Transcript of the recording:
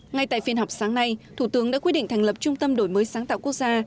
ngay tại phiên họp sáng nay thủ tướng đã quyết định thành lập trung tâm đổi mới sáng tạo quốc gia